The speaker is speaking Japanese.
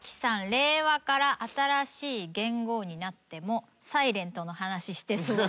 令和から新しい元号になっても『ｓｉｌｅｎｔ』の話してそう」